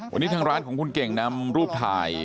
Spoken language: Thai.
วันนี้ทางร้านของคุณเก่งนำรูปถ่าย